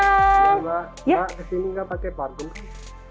halo mbak mbak kesini nggak pakai parfum sih